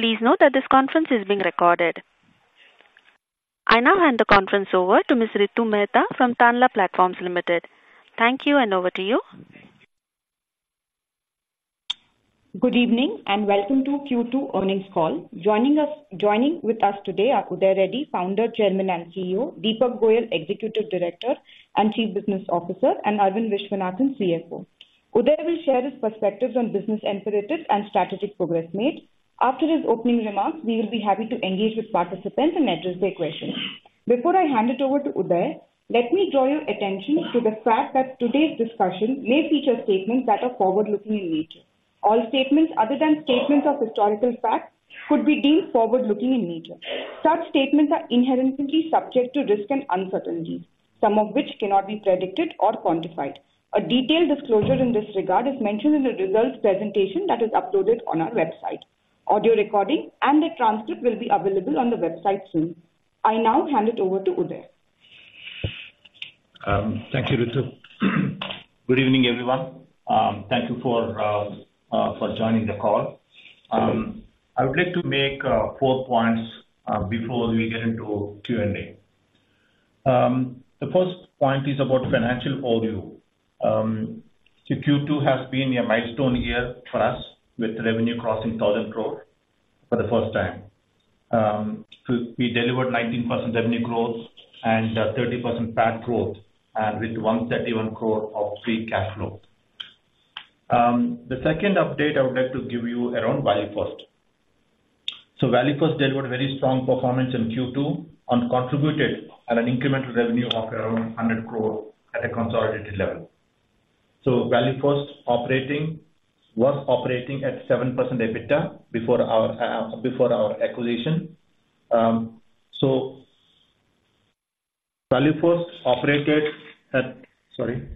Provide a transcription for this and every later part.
Please note that this conference is being recorded. I now hand the conference over to Ms. Ritu Mehta from Tanla Platforms Limited. Thank you, and over to you. Good evening, and welcome to Q2 earnings call. Joining us... joining with us today are Uday Reddy, Founder, Chairman, and CEO; Deepak Goyal, Executive Director and Chief Business Officer; and Aravind Viswanathan, CFO. Uday will share his perspectives on business imperatives and strategic progress made. After his opening remarks, we will be happy to engage with participants and address their questions. Before I hand it over to Uday, let me draw your attention to the fact that today's discussion may feature statements that are forward-looking in nature. All statements other than statements of historical fact could be deemed forward-looking in nature. Such statements are inherently subject to risk and uncertainty, some of which cannot be predicted or quantified. A detailed disclosure in this regard is mentioned in the results presentation that is uploaded on our website. Audio recording and a transcript will be available on the website soon. I now hand it over to Uday. Thank you, Ritu. Good evening, everyone. Thank you for joining the call. I would like to make four points before we get into Q&A. The first point is about financial overview. So Q2 has been a milestone year for us, with revenue crossing 1,000 crore for the first time. So we delivered 19% revenue growth and 30% PAT growth, and with 131 crore of free cash flow. The second update I would like to give you around ValueFirst. So ValueFirst delivered very strong performance in Q2 and contributed an incremental revenue of around 100 crore at a consolidated level. So ValueFirst was operating at 7% EBITDA before our acquisition. So ValueFirst operated at... Sorry.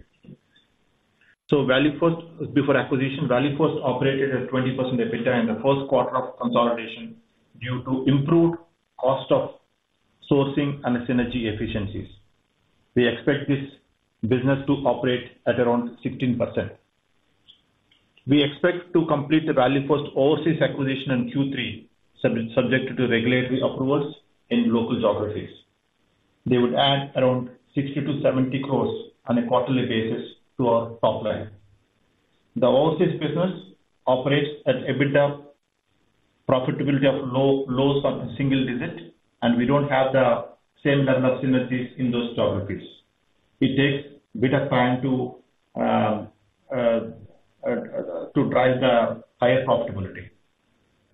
So ValueFirst, before acquisition, ValueFirst operated at 20% EBITDA in the Q1 of consolidation due to improved cost of sourcing and synergy efficiencies. We expect this business to operate at around 15%. We expect to complete the ValueFirst overseas acquisition in Q3, subject to regulatory approvals in local geographies. They would add around 60-70 crores on a quarterly basis to our top line. The overseas business operates at EBITDA profitability of low single digit, and we don't have the same level of synergies in those geographies. It takes a bit of time to to drive the higher profitability.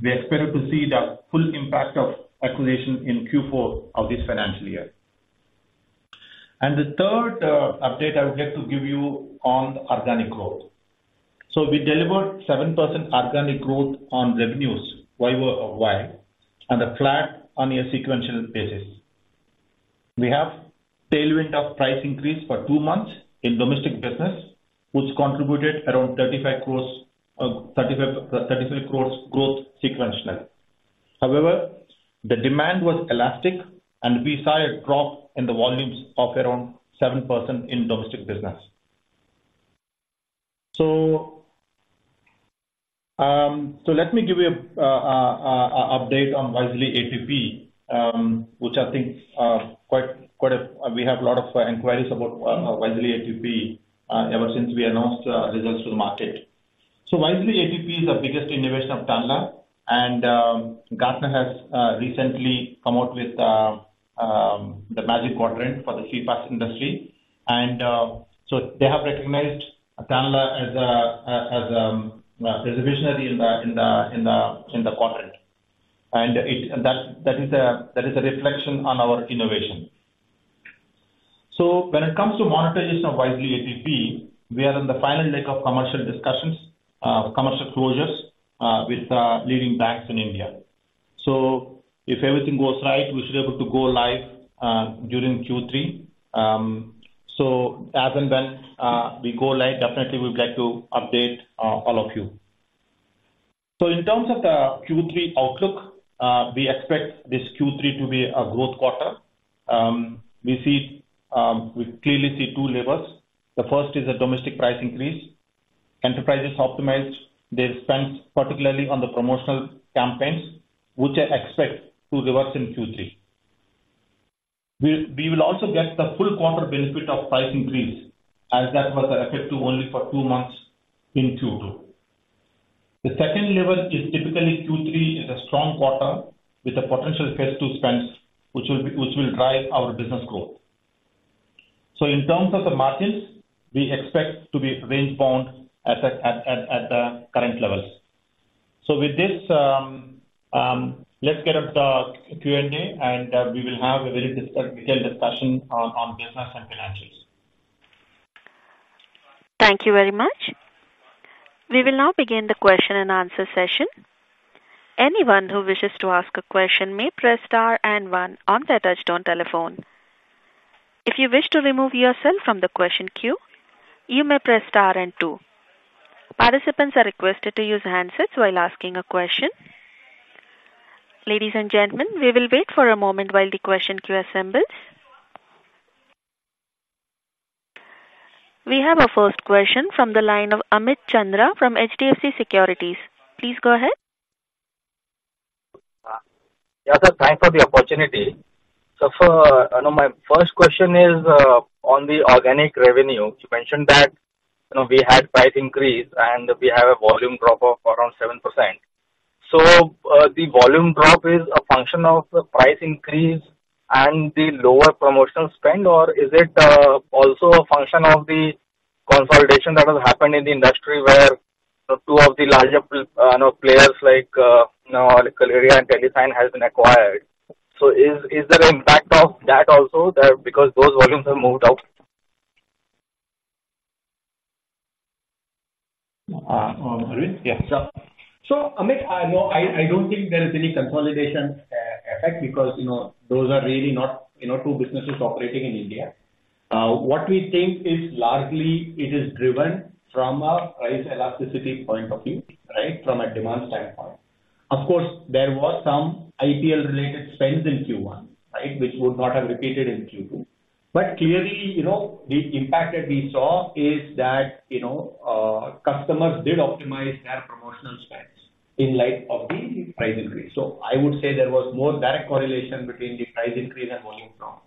We expect to see the full impact of acquisition in Q4 of this financial year. And the third update I would like to give you on organic growth. So we delivered 7% organic growth on revenues year-over-year and flat on a sequential basis. We have tailwind of price increase for two months in domestic business, which contributed around 35 crores growth sequentially. However, the demand was elastic, and we saw a drop in the volumes of around 7% in domestic business. So let me give you a update on Wisely ATP, which I think quite a. We have a lot of inquiries about Wisely ATP ever since we announced results to the market. So Wisely ATP is the biggest innovation of Tanla, and Gartner has recently come out with the Magic Quadrant for the CPaaS industry. And, so they have recognized Tanla as a visionary in the quadrant. And that is a reflection on our innovation. So when it comes to monetization of Wisely ATP, we are in the final leg of commercial discussions, commercial closures, with leading banks in India. So if everything goes right, we should be able to go live during Q3. So as and when we go live, definitely we would like to update all of you. So in terms of the Q3 outlook, we expect this Q3 to be a growth quarter. We see, we clearly see two levers. The first is a domestic price increase. Enterprises optimized their spends, particularly on the promotional campaigns, which I expect to reverse in Q3. We will also get the full quarter benefit of price increase, as that was effective only for two months in Q2. The second lever is typically Q3 is a strong quarter with a potential festive spends, which will drive our business growth. So in terms of the margins, we expect to be range bound at the current levels. So with this, let's get into the Q&A, and we will have a very detailed discussion on, on business and financials. Thank you very much. We will now begin the question and answer session. Anyone who wishes to ask a question may press star and one on their touchtone telephone. If you wish to remove yourself from the question queue, you may press star and two. Participants are requested to use handsets while asking a question. Ladies and gentlemen, we will wait for a moment while the question queue assembles.... We have our first question from the line of Amit Chandra from HDFC Securities. Please go ahead. Yes, sir, thanks for the opportunity. So far, I know my first question is, on the organic revenue. You mentioned that, you know, we had price increase, and we have a volume drop of around 7%. So, the volume drop is a function of the price increase and the lower promotional spend, or is it, also a function of the consolidation that has happened in the industry, where, you know, two of the larger players like, you know, Kaleyra and TeleSign has been acquired? So is, is there an impact of that also, that because those volumes have moved out? Yeah. So, Amit, no, I don't think there is any consolidation effect, because, you know, those are really not, you know, two businesses operating in India. What we think is largely it is driven from a price elasticity point of view, right? From a demand standpoint. Of course, there was some IPL related spends in Q1, right? Which would not have repeated in Q2. But clearly, you know, the impact that we saw is that, you know, customers did optimize their promotional spends in light of the price increase. So I would say there was more direct correlation between the price increase and volume drop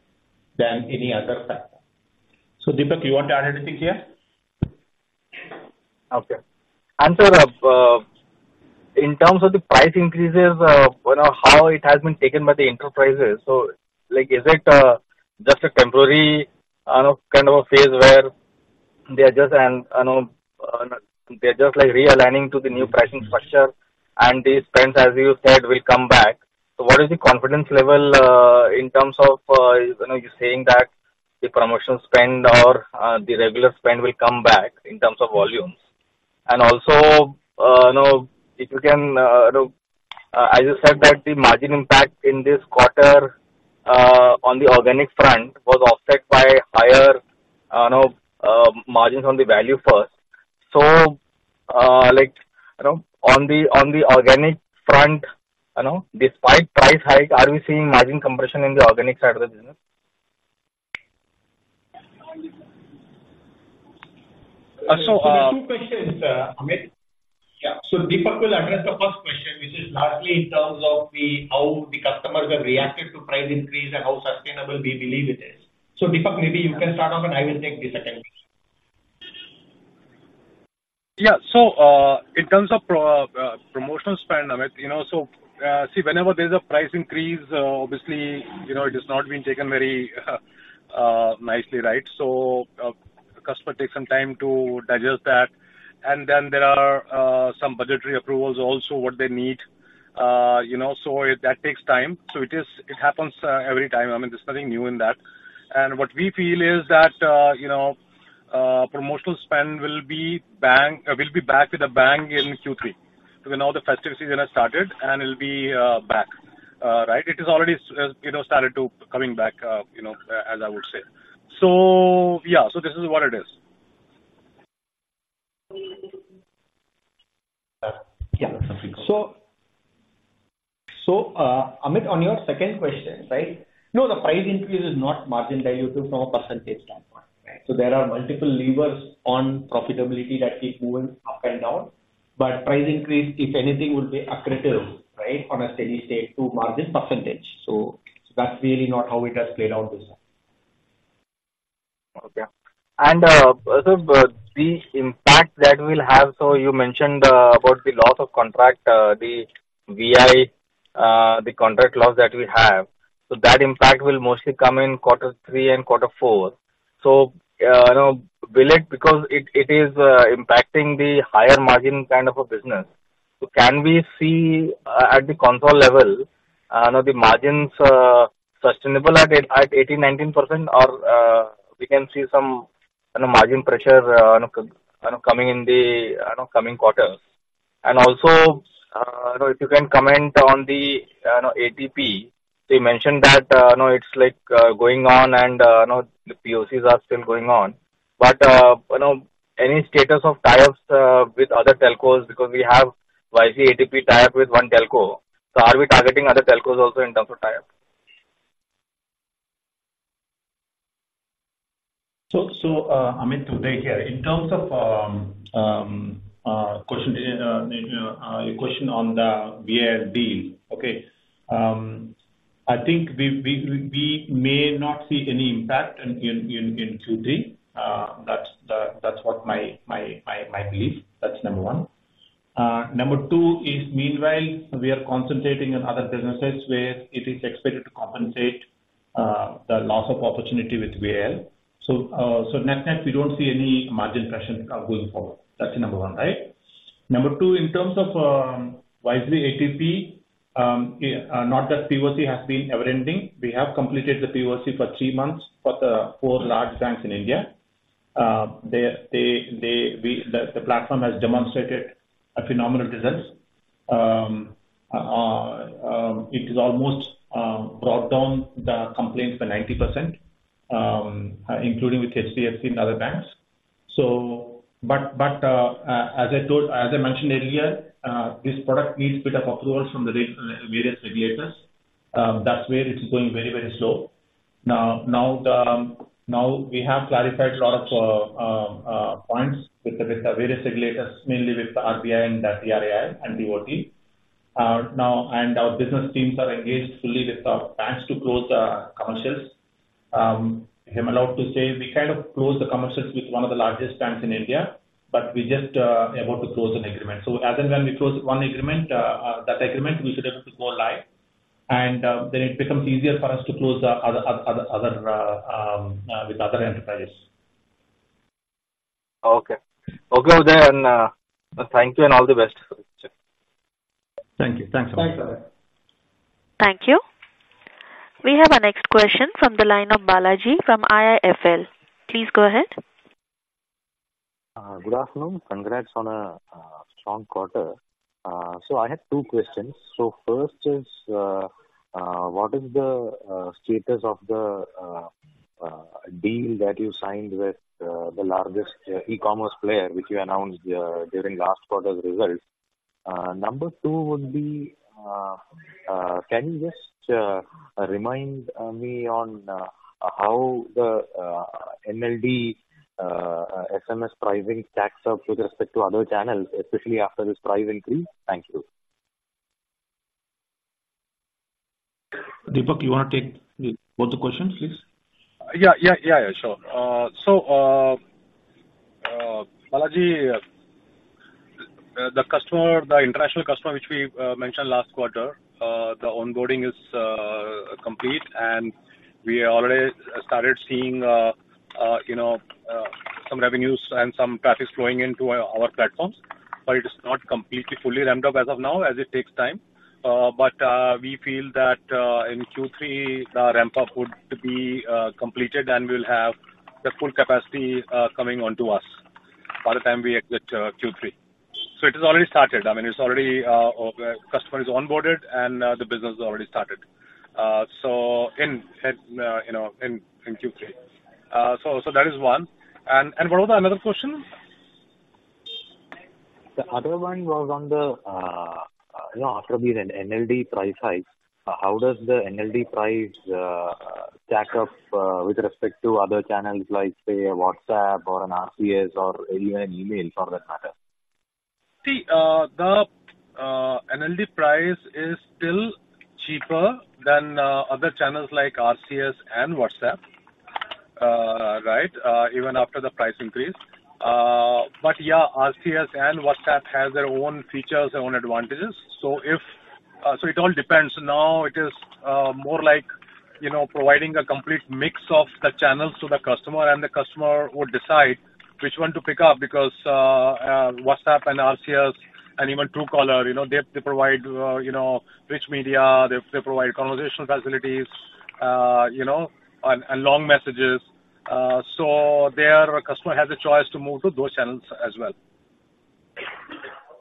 than any other factor. So, Deepak, you want to add anything here? Okay. And so, in terms of the price increases, you know, how it has been taken by the enterprises. So, like, is it just a temporary, I don't know, kind of, a phase where they are just, like, realigning to the new pricing structure, and the spends, as you said, will come back. So what is the confidence level, in terms of, you know, you're saying that the promotion spend or, the regular spend will come back in terms of volumes? And also, you know, if you can, you know, as you said that the margin impact in this quarter, on the organic front was offset by higher, you know, margins on the ValueFirst. Like, you know, on the organic front, you know, despite price hike, are we seeing margin compression in the organic side of the business? There are two questions, Amit. Yeah. So Deepak will address the first question, which is largely in terms of the, how the customers have reacted to price increase and how sustainable we believe it is. So, Deepak, maybe you can start off, and I will take the second one. Yeah. So, in terms of promotional spend, Amit, you know, so, see, whenever there's a price increase, obviously, you know, it is not being taken very, nicely, right? So, the customer takes some time to digest that. And then there are, some budgetary approvals also, what they need, you know, so that takes time. So it happens, every time. I mean, there's nothing new in that. And what we feel is that, you know, promotional spend will be back with a bang in Q3, because now the festive season has started, and it'll be, back. Right? It is already, you know, started to coming back, you know, as I would say. So yeah, so this is what it is. Amit, on your second question, right? No, the price increase is not margin dilutive from a percentage standpoint, right? So there are multiple levers on profitability that we move up and down. But price increase, if anything, will be accretive, right, on a steady state to margin percentage. So that's really not how it has played out this time. Okay. The impact that will have, you mentioned about the loss of contract, the VI, the contract loss that we have. That impact will mostly come in quarter three and quarter four. You know, will it... Because it is impacting the higher margin kind of a business, can we see, at the console level, the margins sustainable at 18-19%? Or can we see some, you know, margin pressure coming in the coming quarters? Also, if you can comment on the, you know, ATP, they mentioned that it's like going on and the POCs are still going on. You know, any status of tie-ups with other telcos, because we have YC ADP tie-up with one telco. So are we targeting other telcos also in terms of tie-ups? So, Amit, today here, in terms of, question, your question on the VIB. Okay. I think we may not see any impact in Q3. That's-- that's what my belief. That's number one. Number two is meanwhile, we are concentrating on other businesses where it is expected to compensate the loss of opportunity with VIB. So, net-net, we don't see any margin pressure going forward. That's number one, right? Number two, in terms of, Wisely ATP, not that POC has been ever ending. We have completed the POC for three months for the four large banks in India. The platform has demonstrated a phenomenal results. It has almost brought down the complaints by 90%, including with HDFC and other banks. As I mentioned earlier, this product needs bit of uploads from the various regulators. That's where it's going very, very slow. Now we have clarified a lot of points with the various regulators, mainly with the RBI and the TRAI and DOT. Our business teams are engaged fully with our banks to close the commercials. If I'm allowed to say, we kind of closed the commercials with one of the largest banks in India, but we are just about to close an agreement. So as and when we close one agreement, that agreement, we should be able to go live, and then it becomes easier for us to close the other with other enterprises. Okay. Okay, then, thank you and all the best. Thank you. Thanks a lot. Thanks, bye-bye. Thank you. We have our next question from the line of Balaji from IIFL. Please go ahead. Good afternoon. Congrats on a strong quarter. I have two questions. First is, what is the status of the deal that you signed with the largest e-commerce player, which you announced during last quarter's results? Number two would be, can you just remind me on how the NLD SMS pricing stacks up with respect to other channels, especially after this price increase? Thank you. Deepak, you want to take both the questions, please? Yeah, yeah, yeah, yeah, sure. So, Balaji, the customer, the international customer, which we mentioned last quarter, the onboarding is complete, and we already started seeing, you know, some revenues and some traffic flowing into our platforms, but it is not completely fully ramped up as of now, as it takes time. But we feel that in Q3, the ramp-up would be completed, and we'll have the full capacity coming onto us by the time we exit Q3. So it is already started. I mean, it's already customer is onboarded, and the business is already started. So in, you know, in Q3. So that is one. And what was the other question? The other one was on the, you know, after the NLD price hike, how does the NLD price stack up with respect to other channels, like, say, a WhatsApp or an RCS or even an email, for that matter? See, the NLD price is still cheaper than other channels like RCS and WhatsApp, right? Even after the price increase. But, yeah, RCS and WhatsApp have their own features, their own advantages. So if, so it all depends. Now, it is more like, you know, providing a complete mix of the channels to the customer, and the customer would decide which one to pick up, because, WhatsApp and RCS and even Truecaller, you know, they, they provide, you know, rich media, they, they provide conversational facilities, you know, and, and long messages. So there the customer has a choice to move to those channels as well.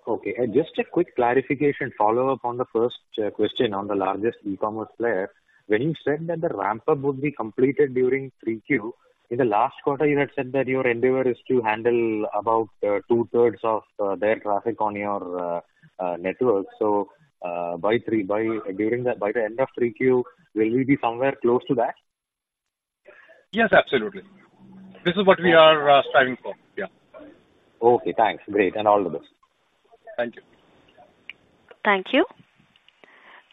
Okay. And just a quick clarification follow-up on the first question on the largest e-commerce player. When you said that the ramp-up would be completed during 3Q, in the last quarter, you had said that your endeavor is to handle about two-thirds of their traffic on your network. So, by the end of 3Q, will we be somewhere close to that? Yes, absolutely. This is what we are striving for. Yeah. Okay, thanks. Great, and all the best. Thank you. Thank you.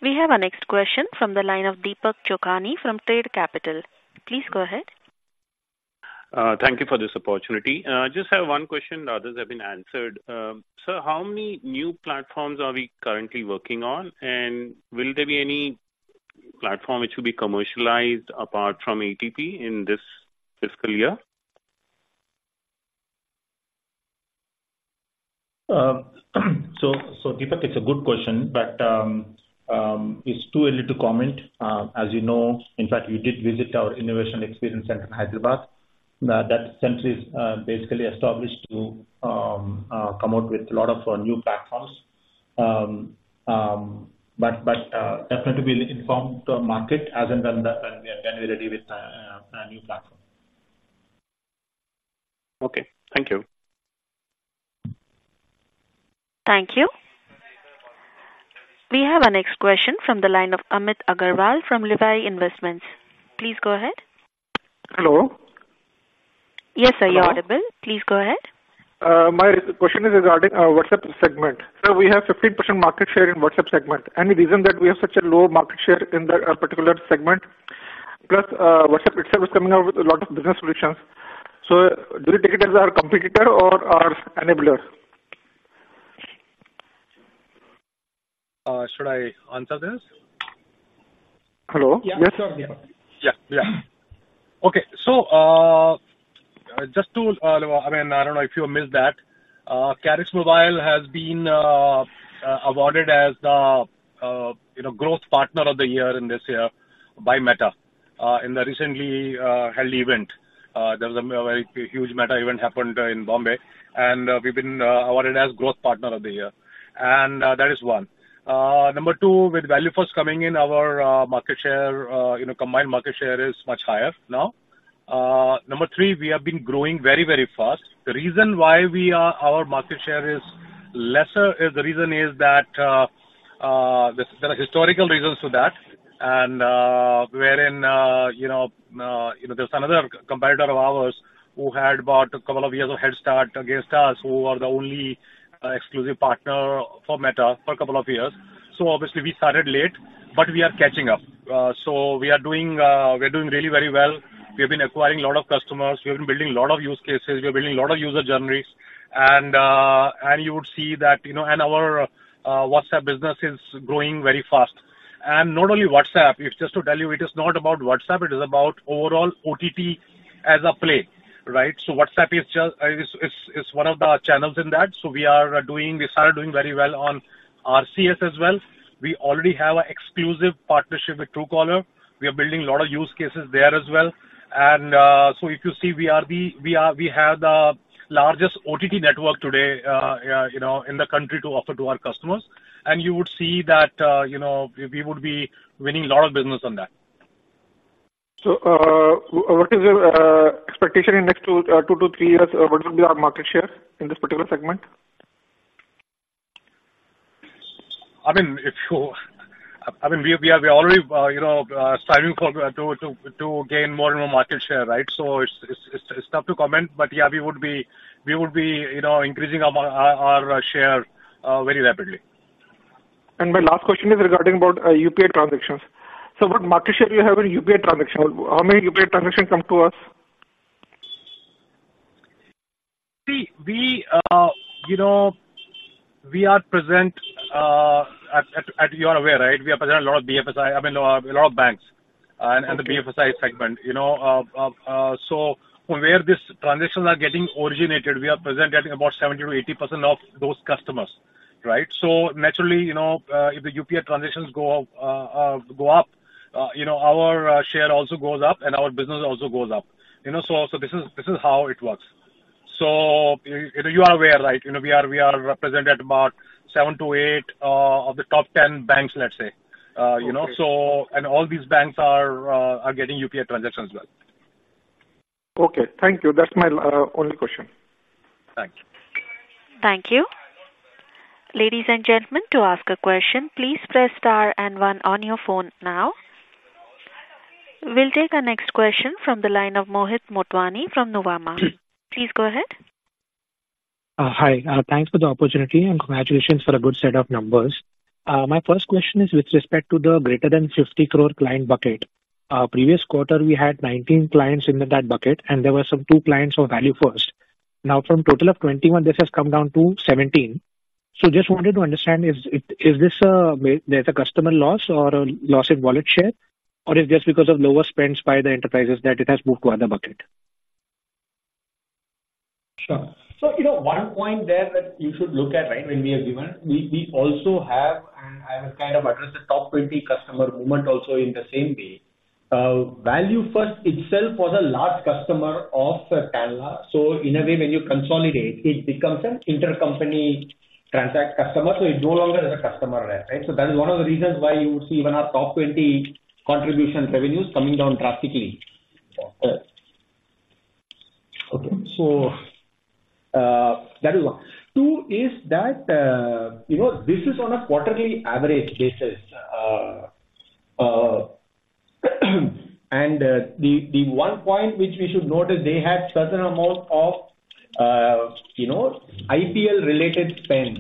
We have our next question from the line of Deepak Chokhani from Trade Capital. Please go ahead. Thank you for this opportunity. I just have one question. The others have been answered. So how many new platforms are we currently working on, and will there be any platform which will be commercialized apart from ATP in this fiscal year? So, Deepak, it's a good question, but it's too early to comment. As you know, in fact, you did visit our Innovation Experience Center in Hyderabad. That center is basically established to come out with a lot of new platforms. But definitely we'll inform the market as and when we are ready with a new platform. Okay. Thank you. Thank you. We have our next question from the line of Amit Agarwal from Livai Investments. Please go ahead. Hello? Yes, sir. Hello. You're audible. Please go ahead. My question is regarding our WhatsApp segment. Sir, we have 15% market share in WhatsApp segment. Any reason that we have such a low market share in that particular segment? Plus, WhatsApp itself is coming out with a lot of business solutions. So do you take it as our competitor or our enabler? Should I answer this? Hello? Yeah, sure. Yeah. Yeah. Yeah. Okay. So, just to, I mean, I don't know if you missed that, Karix Mobile has been awarded as the, you know, growth partner of the year in this year by Meta, in the recently held event. There was a very huge Meta event happened in Bombay, and, we've been awarded as growth partner of the year, and, that is one. Number two, with ValueFirst coming in, our market share, you know, combined market share is much higher now.... Number three, we have been growing very, very fast. The reason why we are, our market share is lesser, is the reason is that, there's, there are historical reasons to that. And, wherein, you know, you know, there's another competitor of ours who had about a couple of years of head start against us, who were the only, exclusive partner for Meta for a couple of years. So obviously we started late, but we are catching up. So we are doing, we're doing really very well. We have been acquiring a lot of customers. We have been building a lot of use cases. We are building a lot of user journeys. And, and you would see that, you know, and our, WhatsApp business is growing very fast. And not only WhatsApp, it's just to tell you, it is not about WhatsApp, it is about overall OTT as a play, right? So WhatsApp is just one of the channels in that. So we are doing... We started doing very well on RCS as well. We already have an exclusive partnership with Truecaller. We are building a lot of use cases there as well. And, so if you see, we are, we are, we have the largest OTT network today, you know, in the country to offer to our customers. And you would see that, you know, we would be winning a lot of business on that. What is your expectation in next 2-3 years? What will be our market share in this particular segment? I mean, I mean, we are already, you know, striving to gain more and more market share, right? So it's tough to comment, but yeah, we would be, you know, increasing our market share very rapidly. My last question is regarding about UPI transactions. What market share do you have in UPI transaction? How many UPI transactions come to us? See, we, you know, we are present, at, at, you are aware, right? We are present in a lot of BFSI, I mean, a lot of banks and the BFSI segment, you know. So where these transactions are getting originated, we are present at about 70%-80% of those customers, right? Naturally, you know, if the UPI transactions go up, you know, our share also goes up and our business also goes up. You know, this is how it works. You are aware, right? You know, we are represented in about seven to eight of the top 10 banks, let's say. You know, so- Okay. And all these banks are getting UPI transactions as well. Okay. Thank you. That's my only question. Thank you. Thank you. Ladies and gentlemen, to ask a question, please press star and one on your phone now. We'll take our next question from the line of Mohit Motwani from Nuvama. Please go ahead. Hi, thanks for the opportunity, and congratulations for a good set of numbers. My first question is with respect to the greater than 50 crore client bucket. Previous quarter, we had 19 clients in that bucket, and there were some 2 clients of ValueFirst. Now, from total of 21, this has come down to 17. So just wanted to understand, is this a customer loss or a loss in wallet share, or is just because of lower spends by the enterprises that it has moved to other bucket? Sure. So, you know, one point there that you should look at, right, when we have given, we also have, and I have kind of addressed the top 20 customer movement also in the same way. ValueFirst itself was a large customer of Karix, so in a way, when you consolidate, it becomes an intercompany transact customer, so it no longer is a customer there, right? So that is one of the reasons why you would see even our top 20 contribution revenues coming down drastically. Okay. That is one. Two is that, you know, this is on a quarterly average basis, and the one point which we should notice, they had a certain amount of, you know, IPL related spends,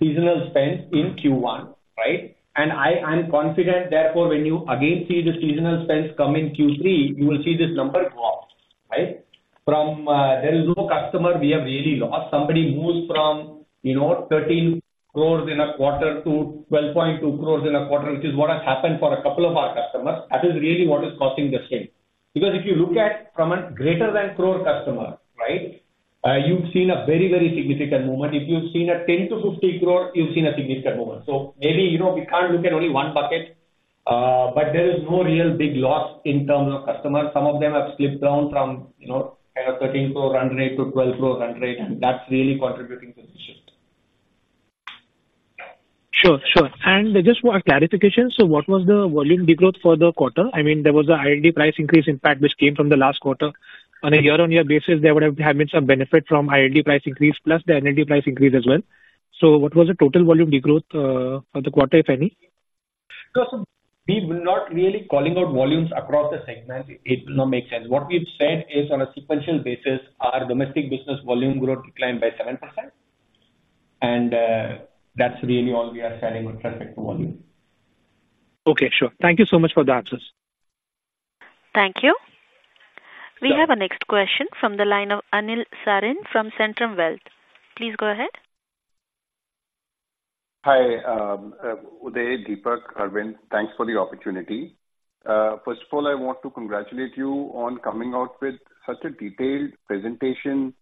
seasonal spends in Q1, right? And I'm confident, therefore, when you again see the seasonal spends come in Q3, you will see this number go up, right? From there, there is no customer we have really lost. Somebody moves from, you know, 13 crore in a quarter to 12.2 crore in a quarter, which is what has happened for a couple of our customers. That is really what is causing the shift. Because if you look at from a greater than crore customer, right, you've seen a very, very significant movement. If you've seen a 10-50 crore, you've seen a significant movement. So maybe, you know, we can't look at only one bucket, but there is no real big loss in terms of customers. Some of them have slipped down from, you know, kind of 13 crore run rate to 12 crore run rate, and that's really contributing to the shift. Sure, sure. And just for clarification, so what was the volume degrowth for the quarter? I mean, there was a ILD price increase impact, which came from the last quarter. On a year-on-year basis, there would have been some benefit from ILD price increase, plus the NLD price increase as well. So what was the total volume degrowth for the quarter, if any? So we're not really calling out volumes across the segment. It will not make sense. What we've said is, on a sequential basis, our domestic business volume growth declined by 7%, and that's really all we are saying with respect to volume. Okay, sure. Thank you so much for the answers. Thank you. We have our next question from the line of Anil Sarin from Centrum Wealth. Please go ahead. Hi, Uday, Deepak, Aravind, thanks for the opportunity. First of all, I want to congratulate you on coming out with such a detailed presentation,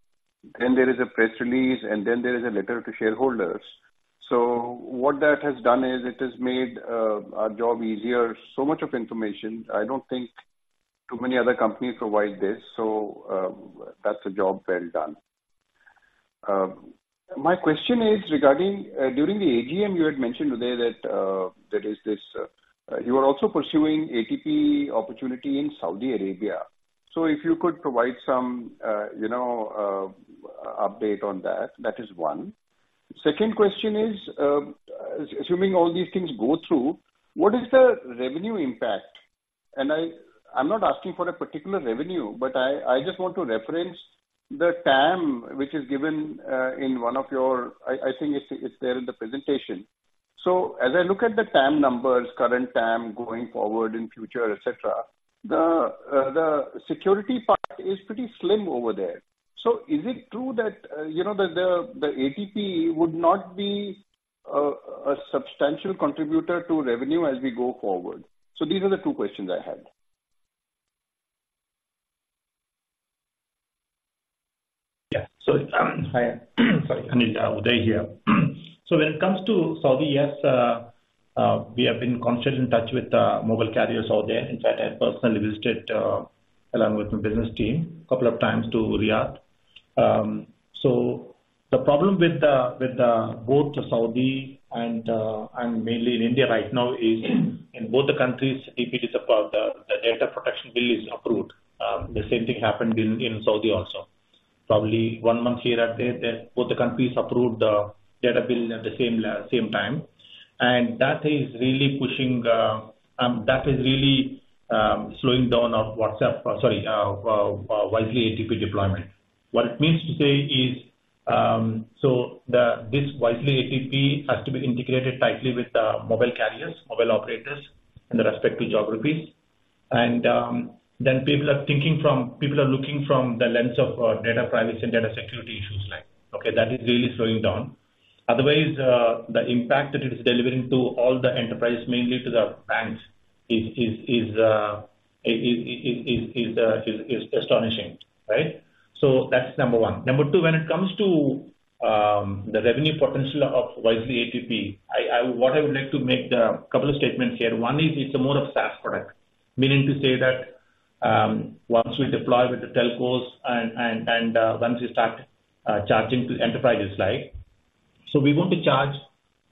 then there is a press release, and then there is a letter to shareholders. So what that has done is, it has made our job easier. So much of information, I don't think too many other companies provide this, so that's a job well done. My question is regarding during the AGM, you had mentioned today that that is this you are also pursuing ATP opportunity in Saudi Arabia. So if you could provide some you know update on that, that is one. Second question is, assuming all these things go through, what is the revenue impact? I'm not asking for a particular revenue, but I just want to reference the TAM which is given in one of your... I think it's there in the presentation. So as I look at the TAM numbers, current TAM going forward in future, et cetera, the security part is pretty slim over there. So is it true that, you know, that the ATP would not be a substantial contributor to revenue as we go forward? So these are the two questions I had. Yeah. Hi, sorry, Anil, Uday here. When it comes to Saudi, yes, we have been constantly in touch with the mobile carriers out there. In fact, I personally visited, along with my business team, a couple of times to Riyadh. The problem with both Saudi and mainly in India right now is, in both the countries, if it is about the data protection bill is approved. The same thing happened in Saudi also. Probably one month here, both the countries approved the data bill at the same time. That is really pushing, that is really slowing down of WhatsApp, sorry, Wisely ATP deployment. What it means to say is, so this Wisely ATP has to be integrated tightly with the mobile carriers, mobile operators in the respective geographies. Then people are thinking from... people are looking from the lens of data privacy and data security issues like, okay, that is really slowing down. Otherwise, the impact that it is delivering to all the enterprise, mainly to the banks, is, is, is, is, is, is, is astonishing, right? That's number one. Number two, when it comes to the revenue potential of Wisely ATP, I, I, what I would like to make the couple of statements here. One is it's more of a SaaS product, meaning to say that once we deploy with the telcos and, and, once we start charging to enterprises like. So we want to charge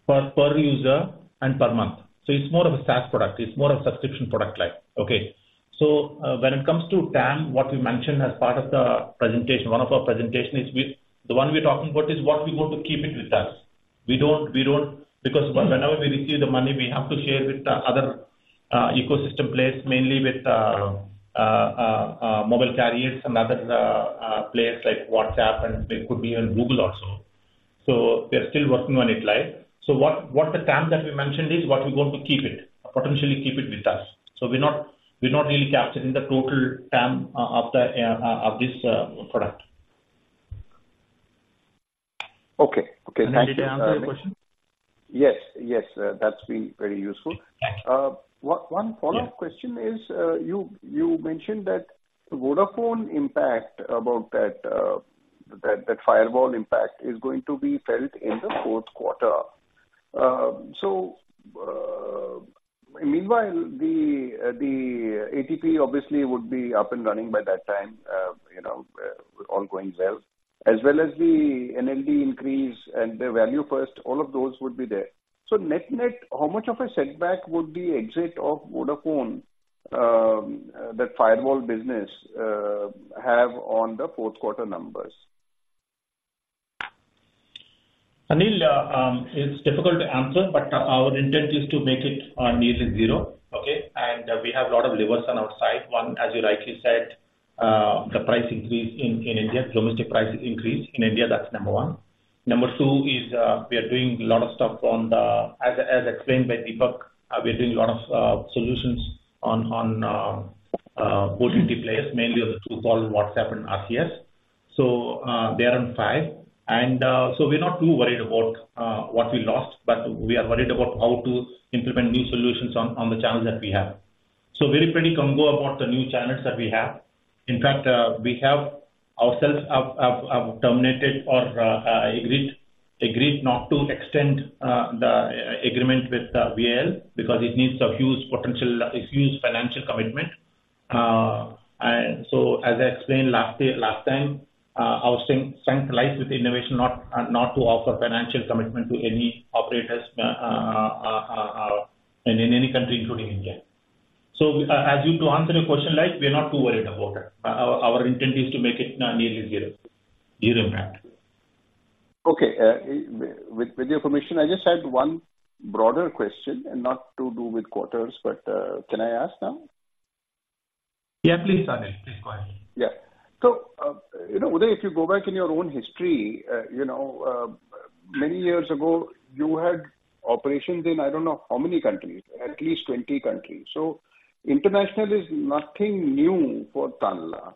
per, per user and per month. So it's more of a SaaS product. It's more of a subscription product like, okay? So, when it comes to TAM, what we mentioned as part of the presentation, one of our presentation is we, the one we're talking about is what we want to keep it with us. We don't, we don't, because when, whenever we receive the money, we have to share with the other, ecosystem players, mainly with, mobile carriers and other, players like WhatsApp, and it could be even Google also. So we are still working on it, like. So what, what the TAM that we mentioned is what we want to keep it, potentially keep it with us. So we're not really capturing the total TAM of this product. Okay. Okay, thank you. Anil, did I answer your question? Yes, yes, that's been very useful. Yeah. One follow-up question is, you mentioned that Vodafone impact about that firewall impact is going to be felt in the Q4. So, meanwhile, the ATP obviously would be up and running by that time, you know, all going well, as well as the NLD increase and the ValueFirst, all of those would be there. So net, how much of a setback would the exit of Vodafone, that firewall business, have on the Q4 numbers? Anil, it's difficult to answer, but our intent is to make it nearly zero, okay? We have a lot of levers on our side. One, as you rightly said, the price increase in India, domestic price increase in India, that's number one. Number two is, we are doing a lot of stuff as explained by Deepak, we are doing a lot of solutions on both players, mainly Truecaller, WhatsApp and RCS. So, they are on fire. So we're not too worried about what we lost, but we are worried about how to implement new solutions on the channels that we have. So we're pretty confident about the new channels that we have. In fact, we ourselves have terminated or agreed not to extend the agreement with VIL because it needs a huge potential, a huge financial commitment. As I explained last year, last time, our strength lies with innovation, not to offer financial commitment to any operators in any country, including India. To answer your question, we are not too worried about it. Our intent is to make it nearly zero impact. Okay, with your permission, I just had one broader question and not to do with quarters, but, can I ask now? Yeah, please, Anil. Please go ahead. Yeah. So, you know, Uday, if you go back in your own history, you know, many years ago, you had operations in, I don't know how many countries, at least 20 countries. So international is nothing new for Tanla.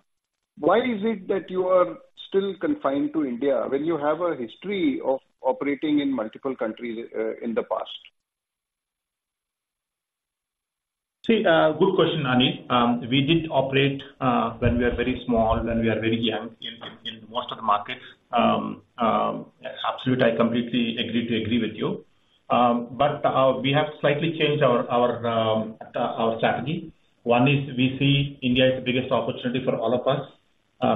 Why is it that you are still confined to India when you have a history of operating in multiple countries, in the past? See, good question, Anil. We did operate, when we are very small, when we are very young, in most of the markets. Absolutely, I completely agree to agree with you. But we have slightly changed our strategy. One is we see India as the biggest opportunity for all of us,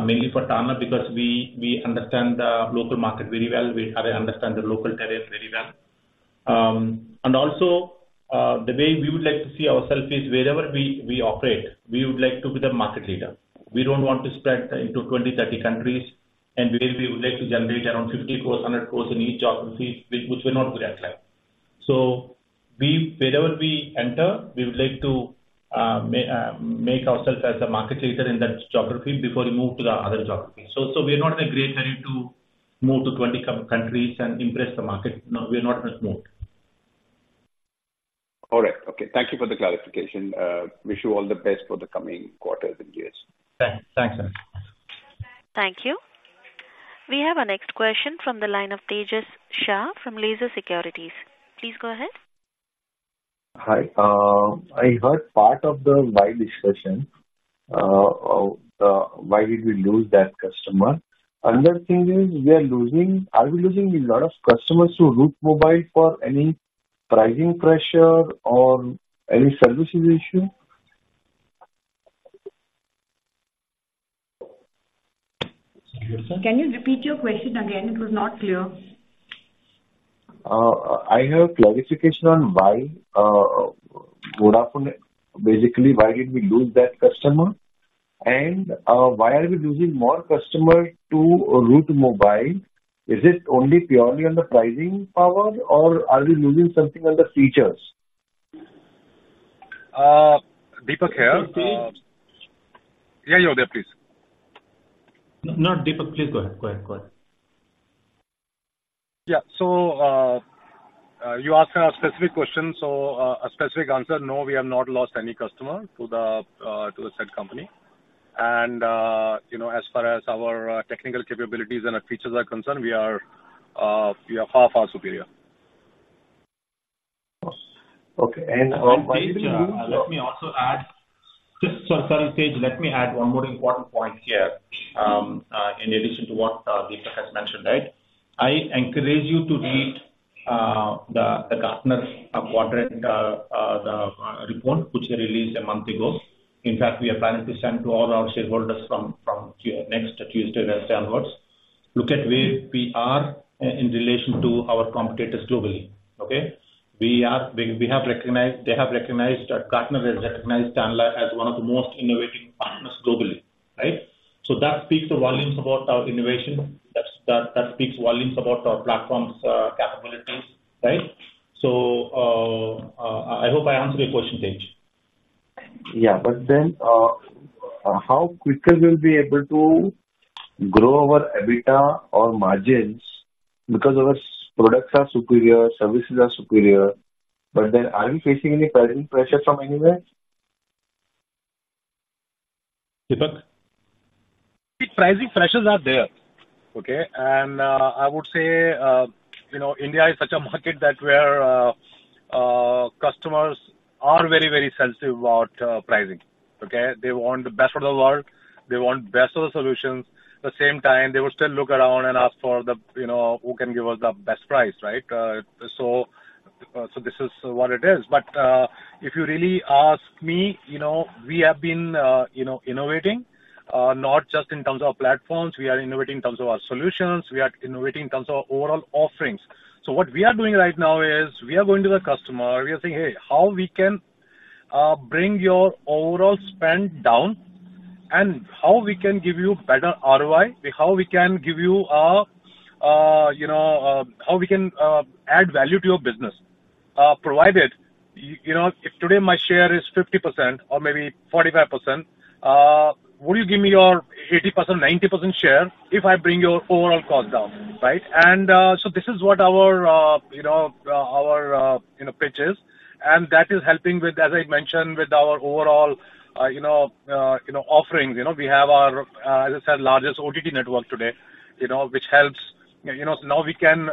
mainly for Tanla, because we understand the local market very well. We, I understand the local carriers very well. And also, the way we would like to see ourself is wherever we operate, we would like to be the market leader. We don't want to spread into 20, 30 countries, and where we would like to generate around 50 crore, 100 crore in each geography, which will not be acceptable. So we, wherever we enter, we would like to make ourselves as the market leader in that geography before we move to the other geography. So we are not in a great hurry to move to 20 countries and impress the market. No, we are not in this mode. All right. Okay. Thank you for the clarification. Wish you all the best for the coming quarters and years. Thanks. Thanks, sir. Thank you. We have our next question from the line of Tejas Shah from Laser Securities. Please go ahead. Hi. I heard part of the why discussion of why did we lose that customer? Another thing is, are we losing a lot of customers to Route Mobile for any pricing pressure or any services issue? Can you repeat your question again? It was not clear. I have clarification on why, Vodafone, basically, why did we lose that customer? And, why are we losing more customers to Route Mobile? Is it only purely on the pricing power, or are we losing something on the features? Deepak here. Yeah, you're there, please. No, Deepak, please go ahead. Go ahead, go ahead. Yeah. So, you asked a specific question, so, a specific answer, no, we have not lost any customer to the, to the said company. And, you know, as far as our technical capabilities and our features are concerned, we are, we are far, far superior. Okay, and, why did you- Let me also add, just sorry, Tejas, let me add one more important point here, in addition to what Deepak has mentioned, right? I encourage you to read the Gartner's quadrant report, which they released a month ago. In fact, we are planning to send to all our shareholders from next Tuesday, Wednesday onwards. Look at where we are in relation to our competitors globally, okay? They have recognized, Gartner has recognized Tanla as one of the most innovative partners globally, right? So that speaks volumes about our innovation. That speaks volumes about our platform's capabilities, right? So, I hope I answered your question, Tejas. Yeah, but then, how quicker we'll be able to grow our EBITDA or margins because our products are superior, services are superior, but then are we facing any pricing pressure from anywhere? Deepak? The pricing pressures are there, okay? And, I would say, you know, India is such a market that where customers are very, very sensitive about pricing, okay? They want the best of the world, they want best of the solutions. At the same time, they will still look around and ask for the, you know, who can give us the best price, right? So, this is what it is. But, if you really ask me, you know, we have been, you know, innovating, not just in terms of platforms, we are innovating in terms of our solutions, we are innovating in terms of overall offerings. So what we are doing right now is, we are going to the customer, we are saying, "Hey, how we can bring your overall spend down, and how we can give you better ROI, how we can give you a, you know, how we can add value to your business?" Provided, you know, if today my share is 50% or maybe 45%, would you give me your 80%, 90% share if I bring your overall cost down, right? And, so this is what our, you know, our, you know, pitch is, and that is helping with, as I mentioned, with our overall, you know, you know, offerings. You know, we have our, as I said, largest OTT network today, you know, which helps... You know, now we can,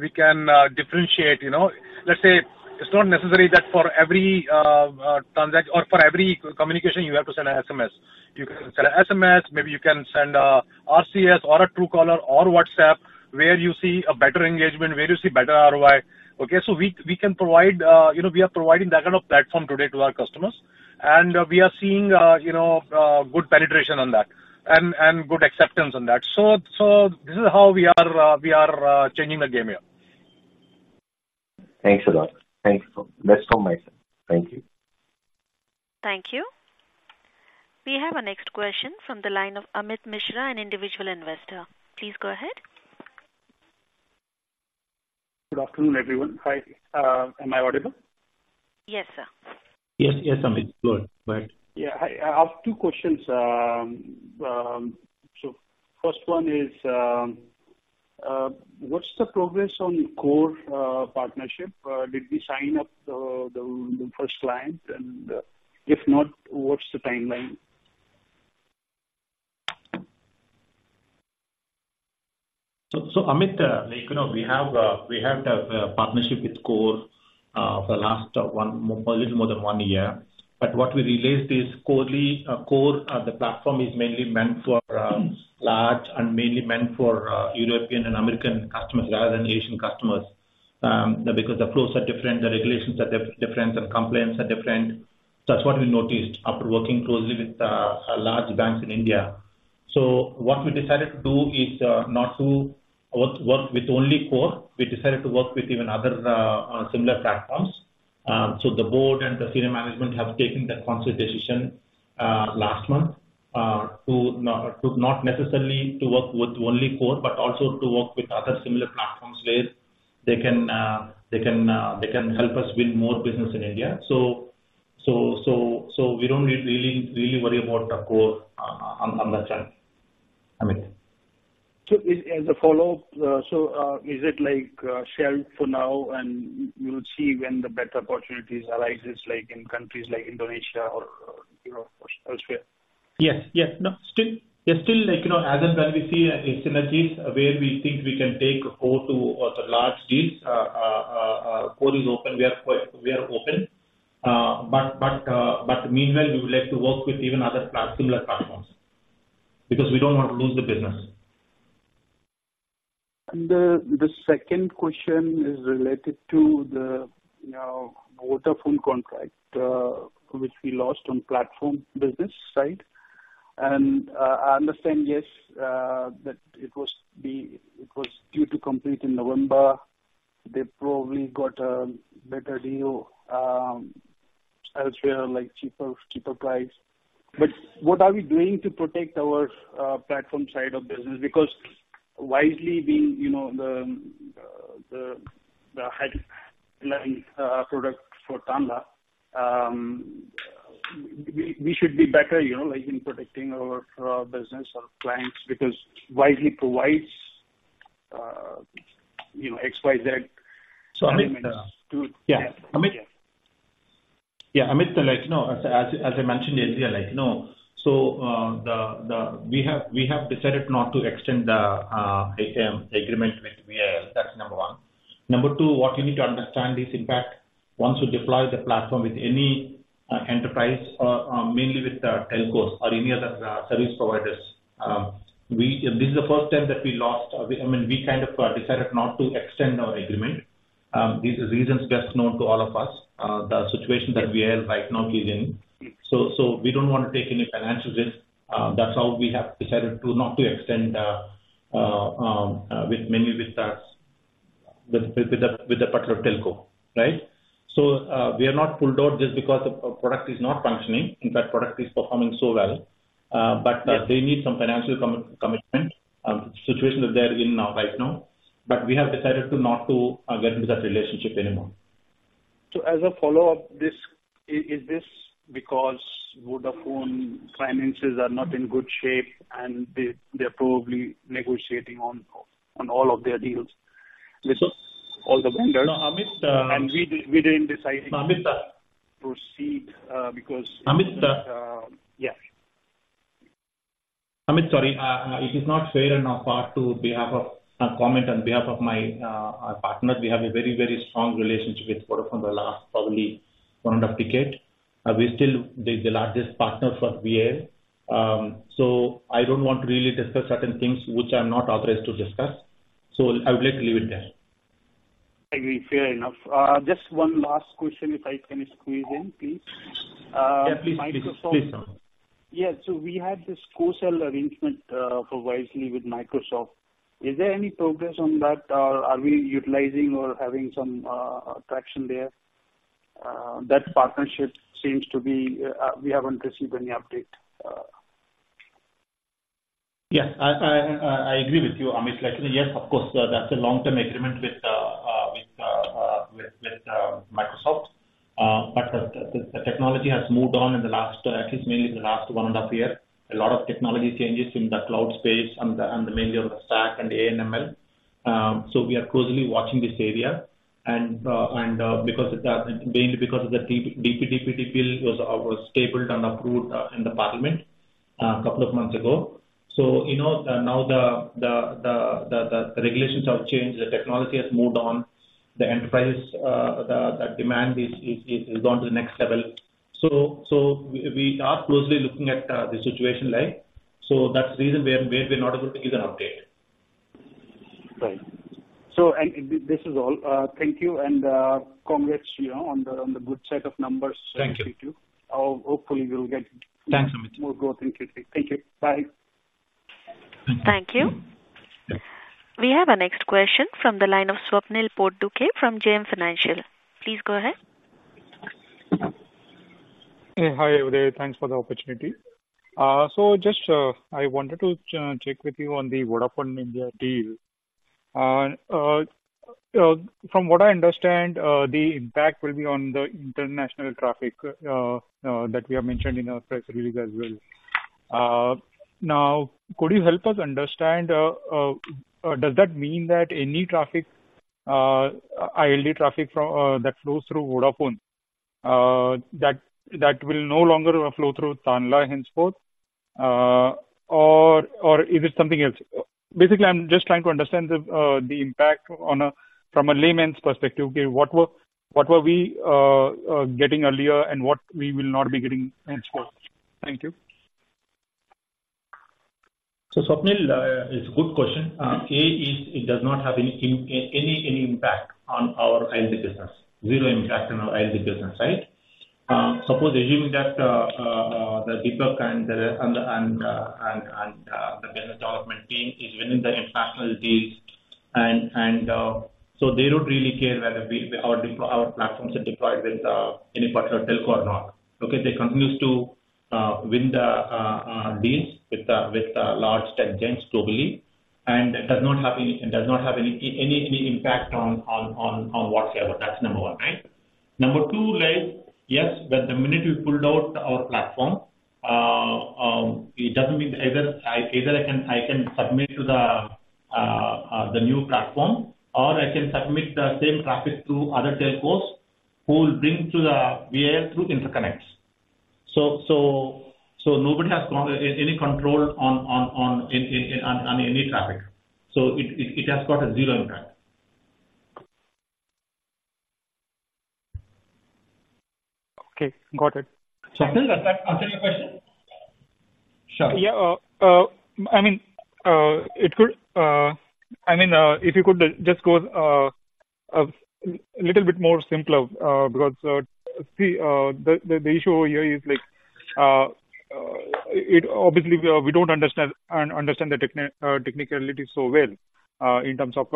we can, differentiate, you know. Let's say it's not necessary that for every, or for every communication, you have to send an SMS. You can send an SMS, maybe you can send, RCS or a Truecaller or WhatsApp, where you see a better engagement, where you see better ROI, okay? So we, we can provide, you know, we are providing that kind of platform today to our customers, and, we are seeing, you know, good penetration on that and, and good acceptance on that. So, so this is how we are, we are, changing the game here. Thanks a lot. Thanks. Best of myself. Thank you. Thank you. We have our next question from the line of Amit Mishra, an individual investor. Please go ahead. Good afternoon, everyone. Hi. Am I audible? Yes, sir. Yes, yes, Amit, go ahead. Go ahead. Yeah, I have two questions. So first one is, what's the progress on the Core partnership? Did we sign up the first client? And if not, what's the timeline? So, Amit, like, you know, we have the partnership with Corely for the last one, a little more than one year. But what we realized is Corely, the platform is mainly meant for large and mainly meant for European and American customers rather than Asian customers. Because the pros are different, the regulations are different, and compliance are different. That's what we noticed after working closely with large banks in India. So what we decided to do is not to work with only Core. We decided to work with even other similar platforms. So the board and the senior management have taken that conscious decision last month to not necessarily work with only Core, but also to work with other similar platforms, where they can help us win more business in India. So we don't really worry about the Core on that front. Amit? As a follow-up, is it like shelf for now, and you'll see when the better opportunities arises, like in countries like Indonesia or, or, you know, elsewhere? Yes, yes. No, still... Yes, still, like, you know, as and when we see any synergies where we think we can take Core to the large deals, Core is open. We are open. But, but, meanwhile, we would like to work with even other similar platforms, because we don't want to lose the business. And the second question is related to the, you know, Vodafone contract, which we lost on platform business side. And, I understand, yes, that it was the... It was due to compete in November. They probably got a better deal, elsewhere, like cheaper price. But what are we doing to protect our, platform side of business? Because Wisely being, you know, the, the high-line, product for Tanla, we should be better, you know, like, in protecting our, business, our clients, because Wisely provides, you know, XYZ. So, Amit, Yeah. Amit? Yeah, Amit, like, you know, as I mentioned earlier, like, you know, so the... We have decided not to extend the ATM agreement with Vi. That's number one. Number two, what you need to understand is, in fact, once you deploy the platform with any enterprise or mainly with the telcos or any other service providers. This is the first time that we lost. I mean, we kind of decided not to extend our agreement. These reasons best known to all of us, the situation that we are right now is in. So we don't want to take any financial risk. That's how we have decided not to extend mainly with the particular telco, right? We are not pulled out just because of our product is not functioning. In fact, product is performing so well. They need some financial commitment, situation that they're in now, right now. But we have decided to not to get into that relationship anymore. So as a follow-up, is this because Vodafone finances are not in good shape, and they, they're probably negotiating on all of their deals with all the vendors? No, Amit, We didn't decide- Amit, uh- - to proceed, because- Amit. Uh... Yeah. Amit, sorry. It is not fair on our part to comment on behalf of my partners. We have a very, very strong relationship with Vodafone the last probably one and a decade. We're still the largest partner for VNL. So I don't want to really discuss certain things which I'm not authorized to discuss, so I would like to leave it there. Agree. Fair enough. Just one last question, if I can squeeze in, please. Yeah, please, please. Uh, Microsoft. Please. Yeah. So we had this co-sell arrangement for Wisely with Microsoft. Is there any progress on that, or are we utilizing or having some traction there? That partnership seems to be we haven't received any update. Yes, I agree with you, Amit. Actually, yes, of course, that's a long-term agreement with Microsoft. But the technology has moved on in the last at least mainly in the last 1.5 year. A lot of technology changes in the cloud space and mainly on the stack and the AI/ML. So we are closely watching this area. And mainly because of the DP Bill was tabled and approved in the Parliament couple of months ago. So, you know, now the regulations have changed, the technology has moved on, the enterprise the demand is gone to the next level. So, we are closely looking at the situation like. So that's the reason we are not able to give an update. Right. So and this is all. Thank you, and congrats, you know, on the, on the good set of numbers. Thank you. - Q2. Hopefully we'll get- Thanks, Amit. more growth in Q3. Thank you. Bye. Thank you. We have our next question from the line of Swapnil Potdukhe from JM Financial. Please go ahead. Hey. Hi, Uday. Thanks for the opportunity. So just, I wanted to check with you on the Vodafone India deal. From what I understand, the impact will be on the international traffic, that we have mentioned in our press release as well. Now, could you help us understand, does that mean that any traffic, ILD traffic from, that flows through Vodafone? That, that will no longer flow through Tanla henceforth, or, or is it something else? Basically, I'm just trying to understand the, the impact from a layman's perspective, okay, what were we getting earlier and what we will not be getting henceforth? Thank you. So, Swapnil, it's a good question. It does not have any impact on our ILD business. Zero impact on our ILD business, right? Suppose assuming that the Deepak and the business development team is winning the international deals, and so they don't really care whether our platforms are deployed with any particular telco or not, okay? They continues to win the deals with the large tech giants globally, and it does not have any impact whatsoever. That's number one, right? Number two, like, yes, the minute we pulled out our platform, it doesn't mean either I can submit to the new platform, or I can submit the same traffic to other telcos who will bring to the VA through interconnects. So nobody has got any control on any traffic. So it has got a zero impact. Okay, got it. Swapnil, does that answer your question? Sure. Yeah, I mean, it could... I mean, if you could just go a little bit more simpler, because, see, the issue over here is, like, it obviously we don't understand the technicality so well, in terms of,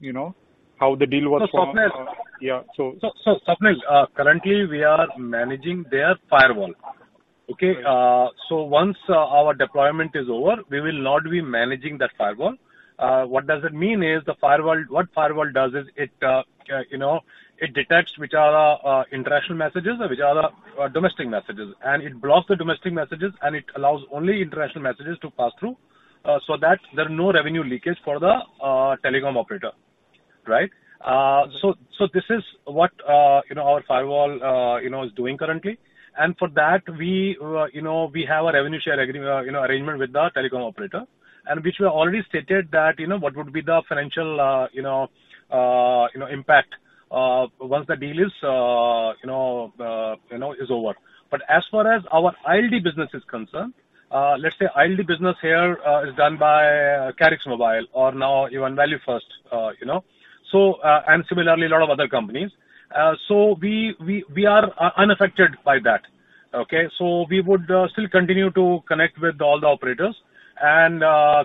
you know, how the deal works for- So, Swapnil. Yeah, so. So, so, Swapnil, currently we are managing their firewall, okay? So once our deployment is over, we will not be managing that firewall. What does it mean is, the firewall, what firewall does is it, you know, it detects which are international messages and which are domestic messages, and it blocks the domestic messages, and it allows only international messages to pass through, so that there are no revenue leakage for the telecom operator, right? So, so this is what, you know, our firewall, you know, is doing currently. And for that, we, you know, we have a revenue share arrangement with the telecom operator, and which we already stated that, you know, what would be the financial, you know, you know, impact, once the deal is, you know, you know, is over. But as far as our ILD business is concerned, let's say ILD business here, is done by Karix Mobile or now even ValueFirst, you know. So, and similarly, a lot of other companies. So we, we, we are unaffected by that, okay? So we would, still continue to connect with all the operators and,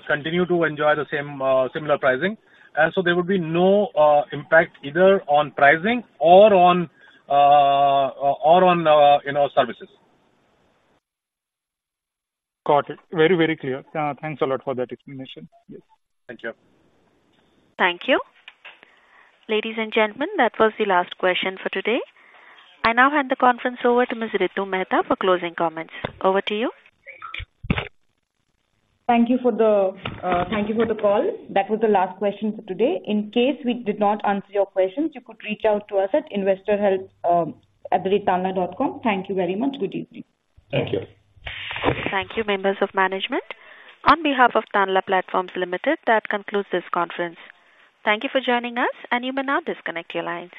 continue to enjoy the same, similar pricing. And so there would be no, impact either on pricing or on, or on, you know, services. Got it. Very, very clear. Thanks a lot for that explanation. Yes. Thank you. Thank you. Ladies and gentlemen, that was the last question for today. I now hand the conference over to Ms. Ritu Mehta for closing comments. Over to you. Thank you for the call. That was the last question for today. In case we did not answer your questions, you could reach out to us at investorhelp@tanla.com. Thank you very much. Good evening. Thank you. Thank you, members of management. On behalf of Tanla Platforms Limited, that concludes this conference. Thank you for joining us, and you may now disconnect your lines.